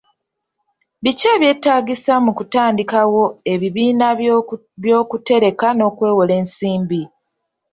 Biki ebyetaagisa mu kutandikawo ebibiina by'okutereka n'okwewola ensimbi?